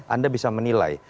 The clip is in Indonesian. anda bisa menilai